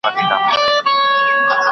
فیصل خپل د کتابونو بکس په غولي باندې وویشت.